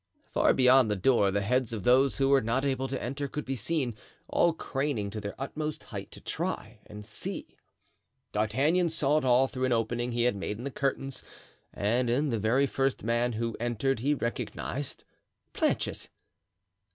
Far beyond the door the heads of those who were not able to enter could be seen, all craning to their utmost height to try and see. D'Artagnan saw it all through an opening he had made in the curtain, and in the very first man who entered he recognized Planchet.